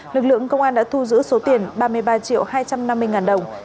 lực lượng công an đã thu giữ số tiền ba mươi ba triệu hai trăm năm mươi ngàn đồng